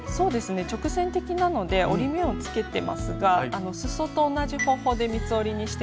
直線的なので折り目をつけてますがすそと同じ方法で三つ折りにしてもいいですね。